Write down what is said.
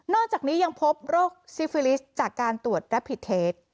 จากนี้ยังพบโรคซิฟิลิสจากการตรวจรับผิดเทส